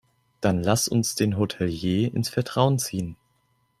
Dann lass uns den Hotelier ins Vertrauen ziehen.